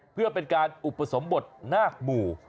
เพื่อเป็นการอุปสมบทนาคหมู่